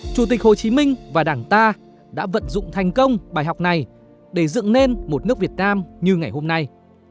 chủ tịch hồ chí minh và đảng ta đã vận dụng thành công bài học này để dựng nên một nước việt nam như ngày hôm nay